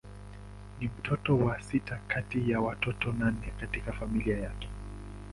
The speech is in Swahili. Ni mtoto wa sita kati ya watoto nane katika familia yake.